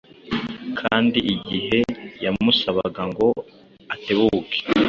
kandi igihe yamusabaga ngo atebuke,